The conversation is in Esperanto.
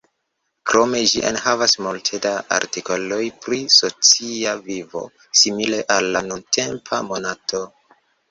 Krome ĝi enhavis multe da artikoloj pri "socia vivo", simile al al nuntempa Monato.